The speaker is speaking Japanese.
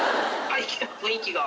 雰囲気が。